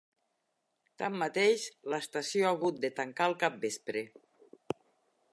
Tanmateix, l'estació ha hagut de tancar al capvespre.